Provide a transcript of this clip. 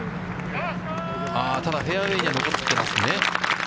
あー、ただフェアウエーには残ってますね。